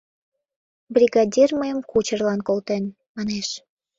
— Бригадир мыйым кучерлан колтен, — манеш.